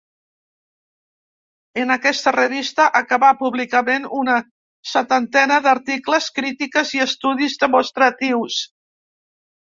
En aquesta revista acabà publicant una setantena d'articles, crítiques i estudis, demostratius.